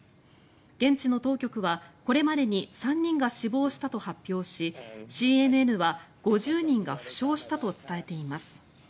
現地の当局は、これまでに３人が死亡したと発表しＣＮＮは５０人が負傷したと伝えています。